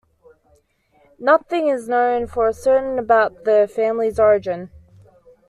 Nothing is known for certain about the family's origin.